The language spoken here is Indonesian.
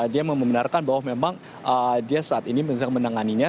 dia membenarkan bahwa memang dia saat ini sedang menanganinya